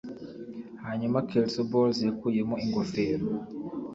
hanyuma kelso bolls yakuyemo ingofero